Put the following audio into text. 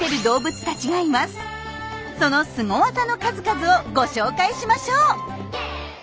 そのスゴ技の数々をご紹介しましょう！